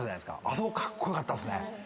あそこカッコ良かったですね。